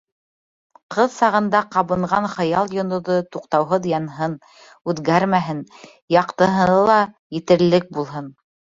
Ҡыҙ сағында ҡабынған хыял йондоҙо туҡтауһыҙ янһын, үҙгәрмәһен, яҡтыһы ла етерлек булһын.